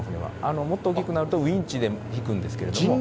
もっと大きくなるとウインチで引くんですけれども。